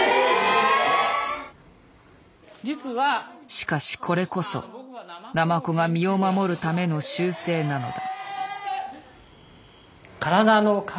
しかしこれこそナマコが身を守るための習性なのだ。